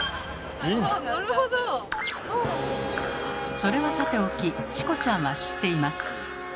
それはさておきチコちゃんは知っています。